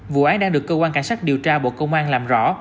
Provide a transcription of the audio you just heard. vụ án đang được cơ quan cảnh sát điều tra bộ công an làm rõ